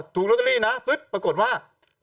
ถูกลอตเตอรี่นะปรากฏว่า